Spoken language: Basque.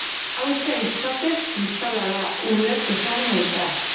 Hautsa, izatez, kristala da, uler dezagun elkar.